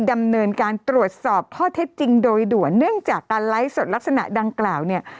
ดำเนินการตรวจสอบข้อเท็จจริงโดยด่วนเนื่องจากการไลฟ์สดลักษณะดังกล่าวเนี่ย